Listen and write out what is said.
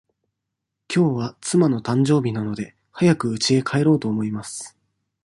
きょうは妻の誕生日なので、早くうちへ帰ろうと思います。